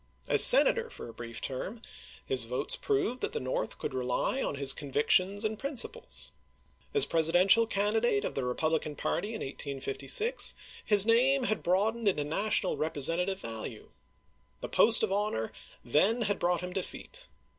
As Senator for a brief term, his votes proved that the North could rely on his convictions and principles. As Presidential can didate of the Republican party in 1856, his name had broadened into national representative value. The post of honor then had brought him defeat.